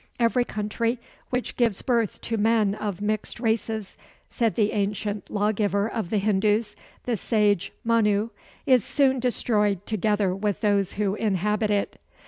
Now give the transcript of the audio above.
"Every country which gives birth to men of mixed races," said the ancient law giver of the Hindus, the sage Manu, "is soon destroyed together with those who inhabit it."